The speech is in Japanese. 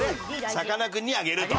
「さかなクンにあげる」と。